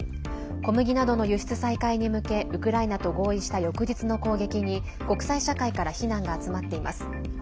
小麦などの輸出再開に向けウクライナと合意した翌日の攻撃に、国際社会から非難が集まっています。